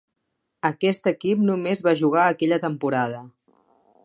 Aquest equip només va jugar aquella temporada.